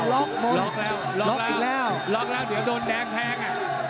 ล็อกบนล็อกแล้วล็อกแล้วเดี๋ยวโดนแดงแทง